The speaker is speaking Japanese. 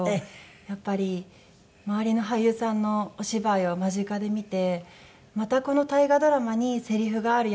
やっぱり周りの俳優さんのお芝居を間近で見てまたこの大河ドラマにせりふがある